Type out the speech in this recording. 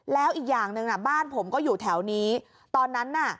แล้วอีกอย่างหนึ่งน่ะบ้านผมก็อยู่แถวนี้ตอนนั้นน่ะ